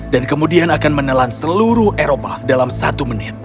dan kemudian akan menelan seluruh eropa dalam satu menit